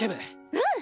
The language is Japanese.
うん。